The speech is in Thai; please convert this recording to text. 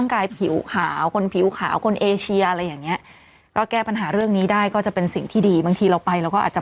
ก็ไปดูไปอะไรกันเสร็จปุ๊บไม่เจอ